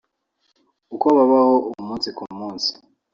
uko babaho umunsi ku munsi